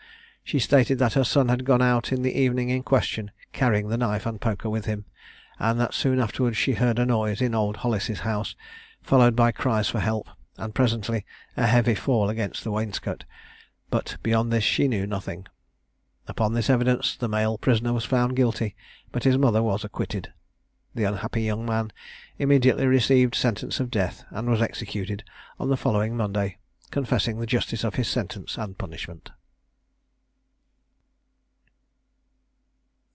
She stated that her son had gone out in the evening in question, carrying the knife and poker with him, and that soon afterwards she heard a noise in old Hollis' house, followed by cries for help, and presently a heavy fall against the wainscot, but beyond this she knew nothing. Upon this evidence the male prisoner was found guilty, but his mother was acquitted. The unhappy young man immediately received sentence of death, and was executed on the following Monday, confessing the justice of his sentence and punishment.